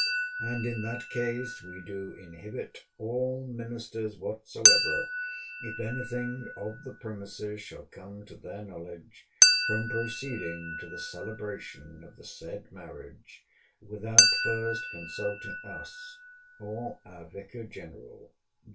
And in that case we do inhibit all ministers whatsoever, if any thing of the premises shall come to their knowledge, from proceeding to the celebration of the said Marriage; without first consulting Us, or our Vicar general.